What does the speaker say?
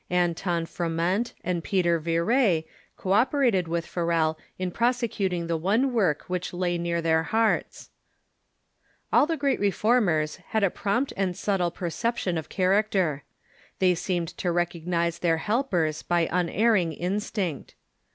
Anton Froment and Peter Viret co operated with Farel in prosecuting the one work which lay near their hearts. FREXCII SWITZERLAND 239 All the great Reformers had a prompt and subtile perception of character. They seemed to recognize their helpers by un erring instinct.